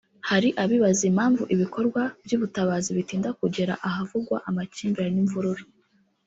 Hari abibaza impamvu ibikorwa by’ubutabazi bitinda kugera ahavugwa amakimbirane n’imvururu